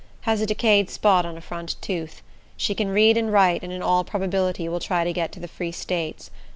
Has a decayed spot on a front tooth. She can read and write, and in all probability will try to get to the Free States.